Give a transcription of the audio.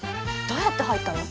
どうやって入ったの！